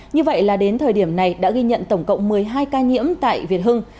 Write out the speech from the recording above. như vậy là đến thời điểm này đã ghi nhận tổng cộng một mươi hai ca nhiễm tại việt hưng